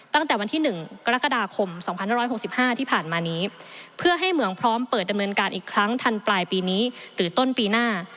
ตั้งแต่วันที่๑กรกฎาคม๒๕๖๕ที่ผ่านมานี้เพื่อให้เหมืองพร้อมเปิดดำเนินการอีกครั้งทันปลายปีนี้หรือต้นปีหน้า